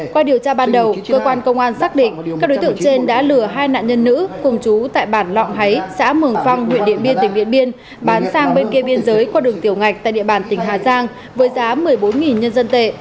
qua điều tra ban đầu cơ quan công an xác định các đối tượng trên đã lừa hai nạn nhân nữ cùng chú tại bản lọng háy xã mường phăng huyện điện biên tỉnh điện biên bán sang bên kia biên giới qua đường tiểu ngạch tại địa bàn tỉnh hà giang với giá một mươi bốn nhân dân tệ